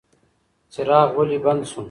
څراغ ولې بند شو؟